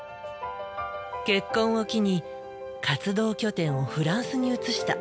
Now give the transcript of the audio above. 結婚を機に活動拠点をフランスに移した。